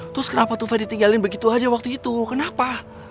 terus kenapa tufa ditinggalin begitu saja waktu itu kenapa